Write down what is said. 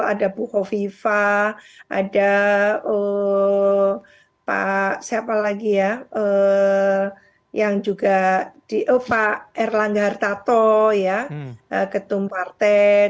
ada buko viva ada pak siapa lagi ya yang juga pak erlangga hartato ya ketum partai